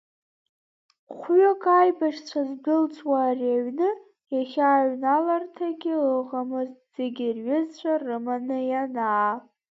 Хәҩык аибашьцәа здәылҵуа ари аҩны, иахьа аҩналарҭагьы ыҟамызт, зегьы рҩызцәа рыманы ианаа.